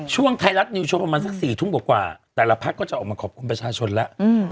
ไทยรัฐนิวโชว์ประมาณสัก๔ทุ่มกว่าแต่ละพักก็จะออกมาขอบคุณประชาชนแล้ว